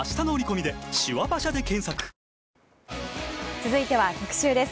続いては特集です。